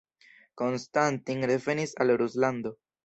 Konstantin revenis al Ruslando.